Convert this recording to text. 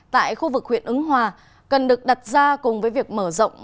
tại khu vực huyện ứng hòa cần được đặt ra cùng với việc mở rộng